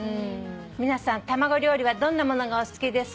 「皆さん卵料理はどんなものがお好きですか？」